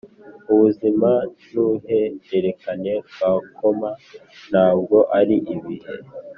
ubuzima nuruhererekane rwa koma, ntabwo ari ibihe.